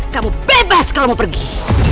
kamu bebas kalau mau pergi